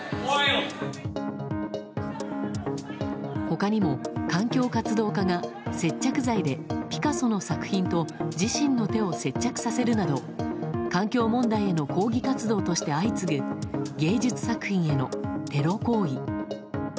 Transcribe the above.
他にも、環境活動家が接着剤でピカソの作品と自身の手を接着させるなど環境問題への抗議活動として相次ぐ芸術作品へのテロ行為。